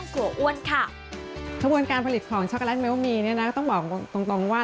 ขบวนการผลิตของช็อกโกแลตเมลมีนะต้องบอกตรงว่า